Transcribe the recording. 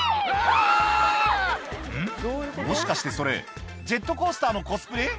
もしかしてそれ、ジェットコースターのコスプレ？